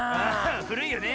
ふるいよね。